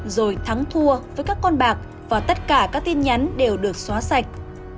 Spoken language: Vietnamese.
rồi thắng thua với các con bạc và tất cả các tin nhắn đều được xóa sạch